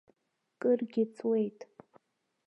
Кыргьы ҵуеит.